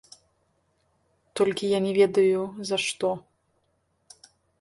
Толькі я не ведаю за што.